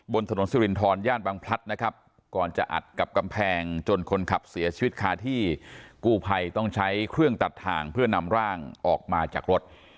บนถนนสิรินทรย่านบางพลัดนะครับก่อนจะอัดกับกำแพงจนคนขับเสียชีวิตคาที่กู้ภัยต้องใช้เครื่องตัดทางเพื่อนำร่างออกมาจากรถ